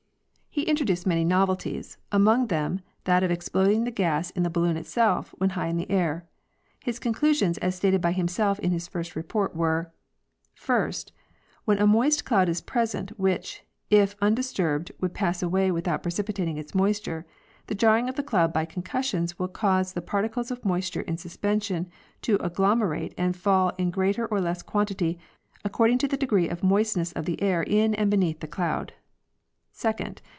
He introduced many novel yt The Method of Concussions. 55 ties, among them that of exploding the gas in the balloon itself when high in the air. His conclusions, as stated by himself in his first report, were (page 59) : First. That when a moist cloud is present, which, if undisturbed, would pass away without precipitating its moisture, the jarring of the cloud by concussions will cause the particles of moisture in suspension to agelom erate and fall in greater or less quantity, according to the degree of moist ness of the air in and beneath the cloud. Second.